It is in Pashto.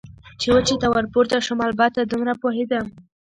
چې وچې ته ور پورته شم، البته دومره پوهېدم.